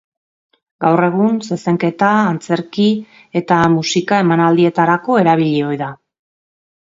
Gaur egun zezenketa, antzerki eta musika emanaldietarako erabili ohi da.